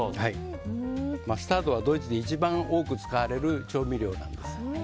マスタードはドイツで一番多く使われる調味料なんです。